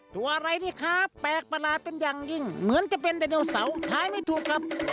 ตัวอะไรนี่ครับแปลกประหลาดเป็นอย่างยิ่งเหมือนจะเป็นไดโนเสาร์ขายไม่ถูกครับ